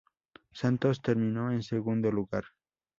Santos terminó en segundo lugar.